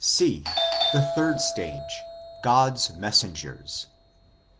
(c) The Third Stage :" God s Messengers."